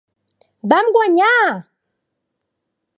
Vam guanyar!